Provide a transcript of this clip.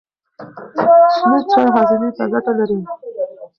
شنه چای هاضمې ته ګټه لري.